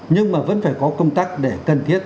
nhưng mà vẫn phải có công tác để cần thiết